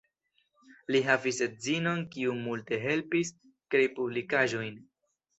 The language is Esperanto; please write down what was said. Li havis edzinon, kiu multe helpis krei publikaĵojn.